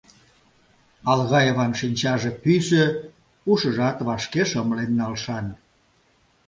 Алгаеван шинчаже пӱсӧ, ушыжат вашке шымлен налшан.